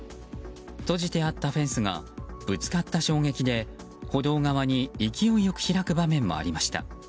閉じてあったフェンスがぶつかった衝撃で歩道側に勢いよく開く場面もありました。